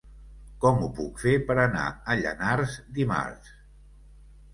Com ho puc fer per anar a Llanars dimarts?